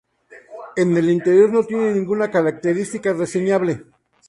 El interior no tiene ninguna característica reseñable.